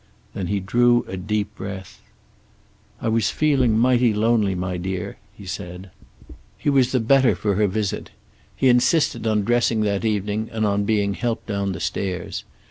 Then he drew a deep breath. "I was feeling mighty lonely, my dear," he said. He was the better for her visit. He insisted on dressing that evening, and on being helped down the stairs.